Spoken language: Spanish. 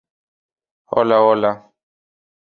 El nombre alude a la pregunta "¿Cómo viene la mano?